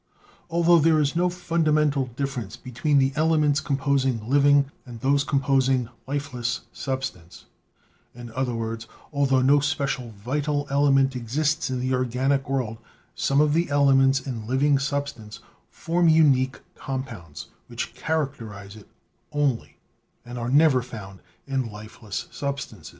Altho there is no fundamental difference between the elements composing living and those composing lifeless substance, in other words, altho no special vital element exists in the organic world, some of the elements in living substance form unique compounds which characterize it only, and are never found in lifeless substance.